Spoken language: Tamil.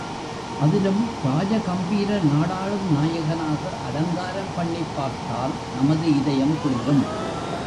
அதிலும் ராஜ கம்பீர நாடாளும் நாயகனாக அலங்காரம் பண்ணிப் பார்த்தால் நமது இதயம் குளிரும்.